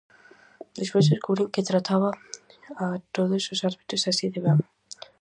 Despois descubrín que trataba a todos os árbitros así de ben.